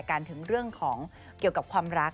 กันถึงเรื่องของเกี่ยวกับความรัก